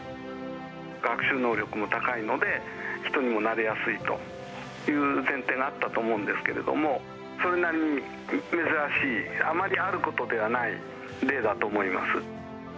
学習能力も高いので、人にもなれやすいという前提があったと思うんですけれども、それなりに珍しい、あまりあることではない例だと思います。